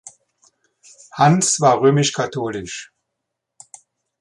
Hans war römisch-katholisch.